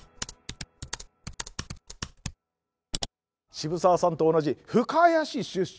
渋沢さんと同じ深谷市出身